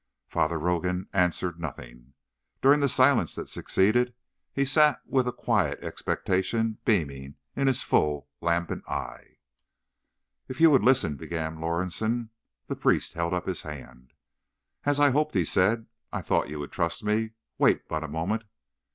Father Rogan answered nothing. During the silence that succeeded, he sat with a quiet expectation beaming in his full, lambent eye. "If you would listen—" began Lorison. The priest held up his hand. "As I hoped," he said. "I thought you would trust me. Wait but a moment."